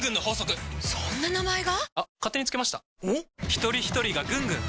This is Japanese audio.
ひとりひとりがぐんぐん！